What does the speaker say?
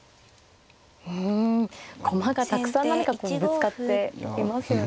うん駒がたくさん何かこうぶつかっていますよね。